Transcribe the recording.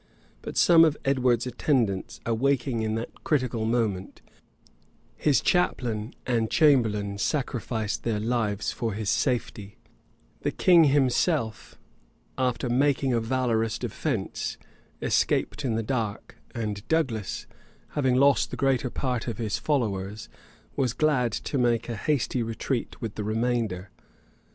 But some of Edward's attendants, awaking in that critical moment, made resistance; his chaplain and chamberlain sacrificed their lives for his safety; the king himself, after making a valorous defence, escaped in the dark; and Douglas, having lost the greater part of his followers, was glad to make a hasty retreat with the remainder.